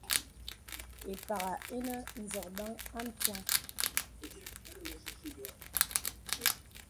Ì pàghā ìnə nzəbəŋ à mpiaŋ.